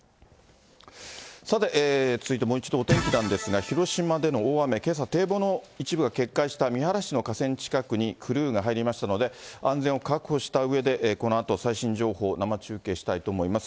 さて、続いてもう一度お天気なんですが、広島での大雨、けさ堤防の一部が決壊した三原市の河川近くに、クルーが入りましたので、安全を確保したうえで、このあと最新情報、生中継したいと思います。